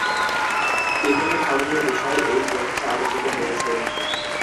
বিভিন্ন ধরনের বিষয় এই গ্রন্থে আলোচিত হয়েছে।